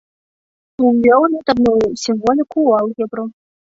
Увёў літарную сімволіку ў алгебру.